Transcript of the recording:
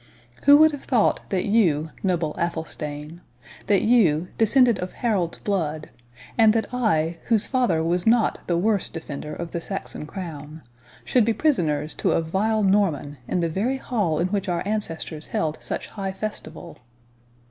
—Who would have thought that you, noble Athelstane—that you, descended of Harold's blood, and that I, whose father was not the worst defender of the Saxon crown, should be prisoners to a vile Norman, in the very hall in which our ancestors held such high festival?"